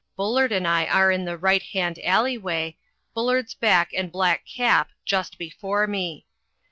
Bullard and I are in the right hand alleyway, Bullard's back and black cap just before me.